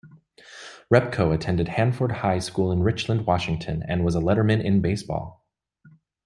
Repko attended Hanford High School in Richland, Washington, and was a letterman in baseball.